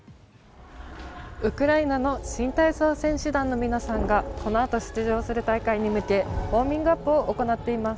ウクライナの新体操選手団の皆さんがこのあと出場する大会に向けウォーミングアップを行っています。